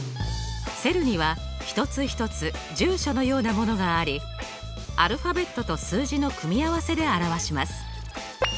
セルには一つ一つ住所のようなものがありアルファベットと数字の組み合わせで表します。